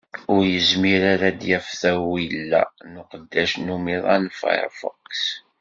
Ur yezmir ara ad d-yaf tawila n uqeddac n umiḍan Firefox.